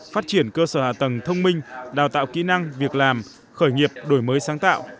phát triển cơ sở hạ tầng thông minh đào tạo kỹ năng việc làm khởi nghiệp đổi mới sáng tạo